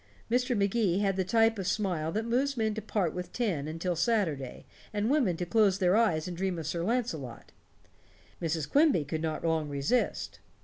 Mr. Magee had the type of smile that moves men to part with ten until Saturday, and women to close their eyes and dream of Sir Launcelot. Mrs. Quimby could not long resist.